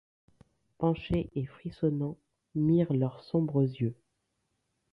Penchés et frissonnants, mirent leurs sombres yeux